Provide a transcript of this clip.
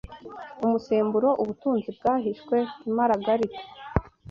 Umusemburo, ubutunzi bwahishwe, imaragarita,